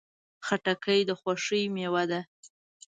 خټکی د خوښۍ میوه ده.